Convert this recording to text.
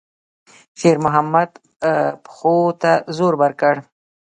شېرمحمد پښو ته زور ورکړ.